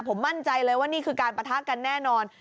ผมมั่นใจเลยว่านี่คือการปะทะกันแน่นอน